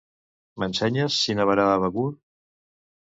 M'ensenyes si nevarà a Begur?